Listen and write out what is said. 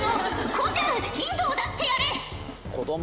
こうちゃんヒントを出してやれ！